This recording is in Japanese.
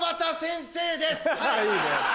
いいね。